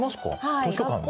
図書館で？